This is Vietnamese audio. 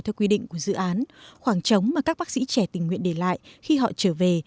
theo quy định của dự án khoảng trống mà các bác sĩ trẻ tình nguyện để lại khi họ trở về